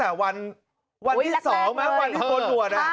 บักสกัดวันที่สองวันที่ตรงหนวด